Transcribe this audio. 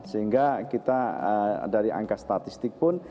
sehingga kita dari angka statistik pun